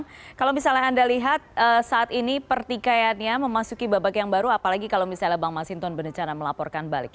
tapi kalau misalnya anda lihat saat ini pertikaiannya memasuki babak yang baru apalagi kalau misalnya bang masinton berencana melaporkan balik